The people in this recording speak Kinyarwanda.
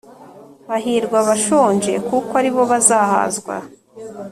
Hahirwa abashonje kuko ari bo bazahazwa